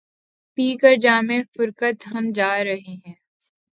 پی کر جام فرقت ہم جا رہے ہیں